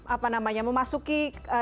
apa namanya memasuki